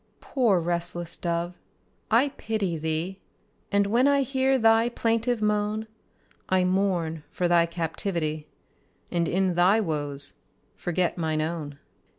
Poor restless dove, I pity thee; And when I hear thy plaintive moan, I mourn for thy captivity, And in thy woes forget mine own.